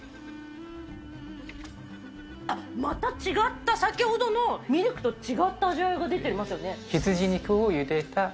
あっ、また違った、先ほどのミルクと違った味わいが出てますよね。